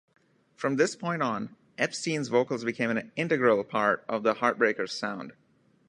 From this point on Epstein's vocals became an integral part of the Heartbreakers' sound.